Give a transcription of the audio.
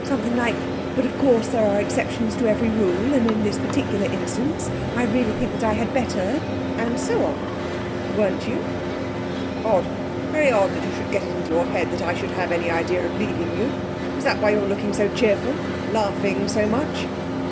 something like, "But, of course, there are exceptions to every rule, and in this particular instance I really think that I had better," and so on. Weren't you?' 'Odd. Very odd you should get it into your head that I should have any idea of leaving you. Is that why you're looking so cheerful laughing so much?'